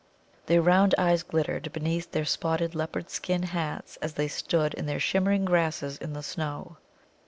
Their round eyes glittered beneath their spotted leopard skin hats as they stood in their shimmering grasses in the snow.